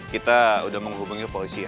kita udah mau hubungi polisi ya